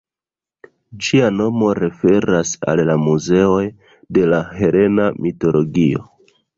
Ĝia nomo referas al la Muzoj de la helena mitologio.